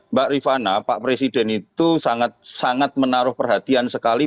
mbak rifana pak presiden itu sangat sangat menaruh perhatian sekali